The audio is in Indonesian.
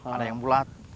ada yang bulat